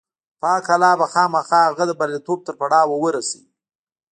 پاک الله به خامخا هغه د برياليتوب تر پړاوه رسوي.